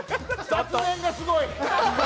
雑念がすごい。